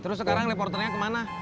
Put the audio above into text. terus sekarang reporternya ke mana